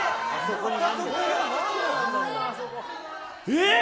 えっ！？